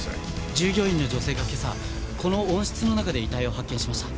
従業員の女性が今朝この温室の中で遺体を発見しました。